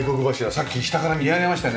さっき下から見上げましたよね